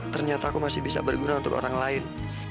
ternyata aku masih bisa berguna untuk orang lain